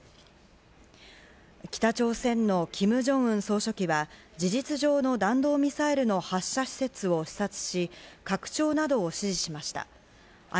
北朝鮮のキム・ジョンウン総書記は事実上の弾道ミサイルの発射施設を視察し、拡張などを指示しました。